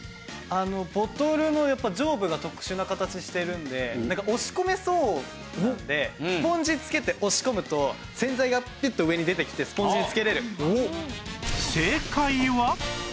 ボトルの上部が特殊な形しているんで押し込めそうなのでスポンジつけて押し込むと洗剤がピュッと上に出てきてスポンジにつけられる。